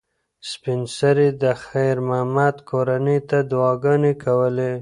سپین سرې د خیر محمد کورنۍ ته دعاګانې کولې.